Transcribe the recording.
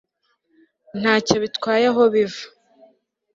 ntacyo bitwaye aho biva